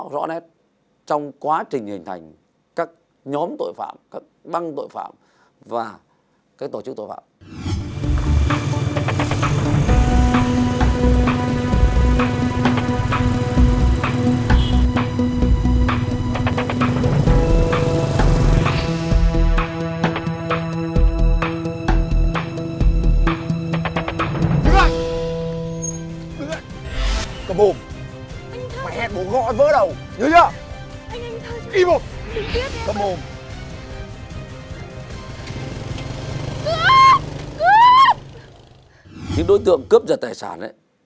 đối tượng cướp giật tài sản